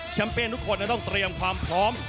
แชมป์เฟียนทุกคนต้องเตรียมความพร้อม